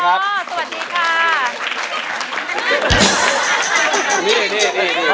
คุณพ่อรูปหล่อจึงเลยนะ